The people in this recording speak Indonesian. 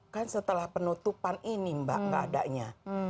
kan setelah penutupan ini mbak nggak adanya